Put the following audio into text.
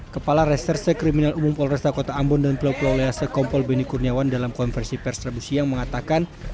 kepala reserse kriminal umum polres kota ambon dan pulau pulau lease kompol beni kurniawan dalam konversi perstribusi yang mengatakan